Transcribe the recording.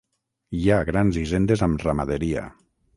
Hi ha grans hisendes amb ramaderia.